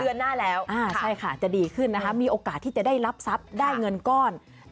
เดือนหน้าแล้วใช่ค่ะจะดีขึ้นนะคะมีโอกาสที่จะได้รับทรัพย์ได้เงินก้อน